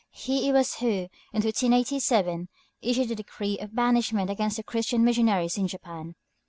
He it was who in 1587 issued a decree of banishment against the Christian missionaries in Japan.